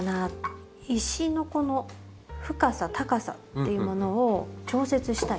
石のこの深さ高さっていうものを調節したい。